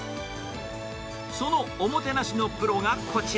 そのおもてなしのプロがこちら。